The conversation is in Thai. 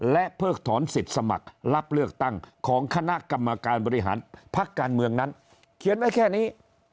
และเพิกถอนสิทธิ์สมัครรับเลือกตั้งของคณะกรรมการบริหารพักการเมืองนั้นเขียนไว้แค่นี้